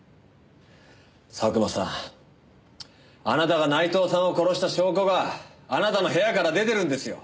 佐久間さんあなたが内藤さんを殺した証拠があなたの部屋から出てるんですよ。